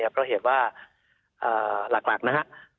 เพราะเหตุว่าหลักนะฮะ